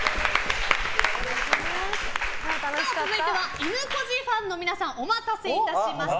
続いてはいぬこじファンの皆さんお待たせいたしました。